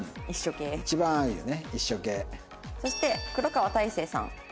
そして黒川大聖さん。